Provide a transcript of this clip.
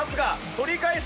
取り返した。